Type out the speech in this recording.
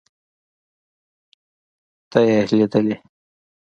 ته يې ليدلې.